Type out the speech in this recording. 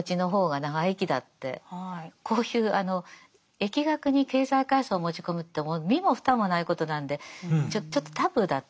こういう疫学に経済階層を持ち込むって身も蓋もないことなんでちょっとタブーだったんですよね。